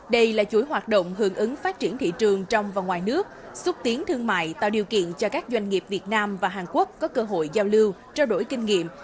đây là chuỗi hoạt động hưởng ứng phát triển thị trường trong và ngoài nước xúc tiến thương mại tạo điều kiện cho các doanh nghiệp việt nam và hàn quốc có cơ hội giao lưu trao đổi kinh nghiệm